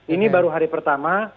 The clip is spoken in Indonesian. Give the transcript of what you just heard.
ini baru hari pertama